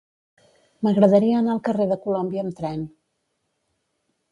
M'agradaria anar al carrer de Colòmbia amb tren.